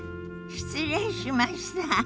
失礼しました。